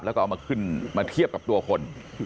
แล้วก็เอามาขึ้นมาเทียบกับตัวคน